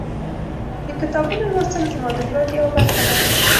د کتابونو لوستل زما د ژوند یوه برخه ده.